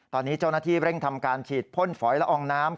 ตอนนี้เจ้าหน้าที่เร่งทำการฉีดพ่นฝอยละอองน้ำ